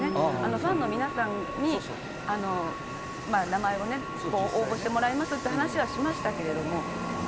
ファンの皆さんに名前を応募してもらうという話はしましたけど。